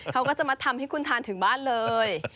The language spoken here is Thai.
เขาก็จะมาทำให้คุณทานถึงบ้านเลย